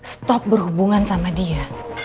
stop berhubungan sama dia